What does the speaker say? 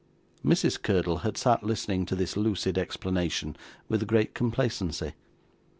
Mrs. Curdle had sat listening to this lucid explanation with great complacency.